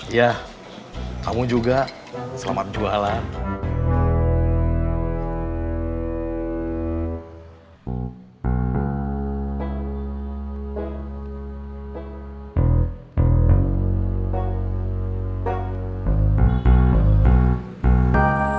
iya kamu juga selamat jualan